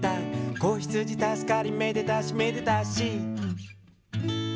「子ヒツジたすかりめでたしめでたし！」